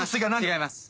違います。